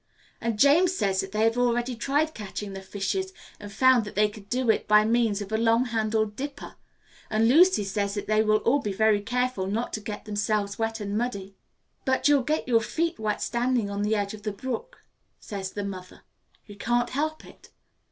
And James says that they have already tried catching the fishes, and found that they could do it by means of a long handled dipper; and Lucy says that they will all be very careful not to get themselves wet and muddy. "But you'll get your feet wet standing on the edge of the brook," says the mother. "You can't help it."